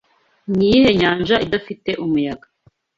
Niyihe nyanja idafite umuyaga